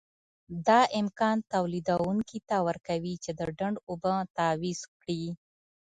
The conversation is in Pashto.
دا امکان تولیدوونکي ته ورکوي چې د ډنډ اوبه تعویض کړي.